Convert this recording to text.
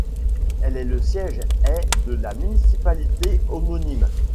Elle est le siège est de la municipalité homonyme.